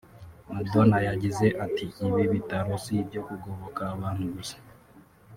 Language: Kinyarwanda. Madona yagize ati”Ibi bitaro si ibyo kugoboka abantu gusa